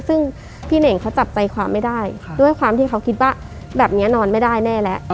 ซึ่งพี่เน่งเขาจับใจความไม่ได้ด้วยความที่เขาคิดว่าแบบนี้นอนไม่ได้แน่แล้ว